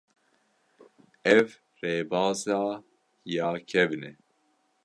Ev rêbeza ya kevin e.